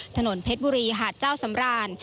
ถนนเพชรบุรีหาดเจ้าสำราน